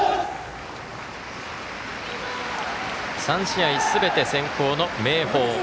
３試合すべて先攻の明豊。